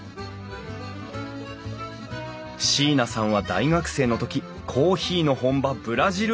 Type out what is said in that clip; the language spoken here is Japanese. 椎名さんは大学生の時コーヒーの本場ブラジルへ留学。